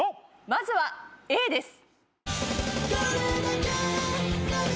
まずはＡです。